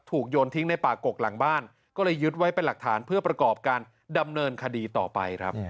โยนทิ้งในป่ากกหลังบ้านก็เลยยึดไว้เป็นหลักฐานเพื่อประกอบการดำเนินคดีต่อไปครับ